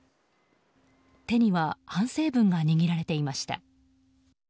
手には反省文が握られていました。